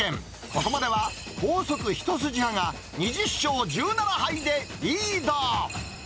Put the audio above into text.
ここまでは高速一筋派が２０勝１７敗でリード。